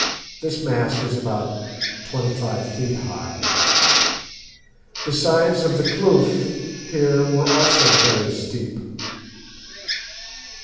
This mass was about twenty five feet high. The sides of the kloof here were also very steep.